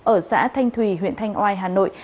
ở xã thanh thùy huyện thanh oai hà nội